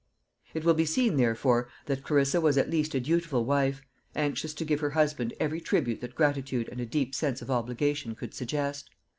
It will be seen, therefore, that Clarissa was at least a dutiful wife, anxious to give her husband every tribute that gratitude and a deep sense of obligation could suggest.